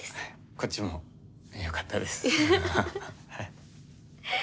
こっちもよかったです。